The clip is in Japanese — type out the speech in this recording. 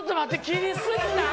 切りすぎた。